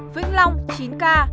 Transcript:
vĩnh long chín ca